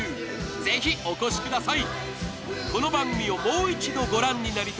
是非、お越しください。